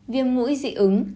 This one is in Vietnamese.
viêm mũi dị ứng